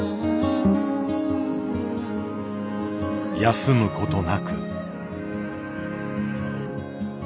休むことなく。